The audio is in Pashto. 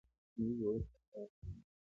ملي جوړښت پخوا حرام و.